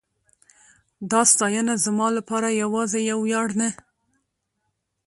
دا ستاینه زما لپاره یواځې یو ویاړ نه